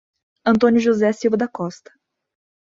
Antônio José Silva da Costa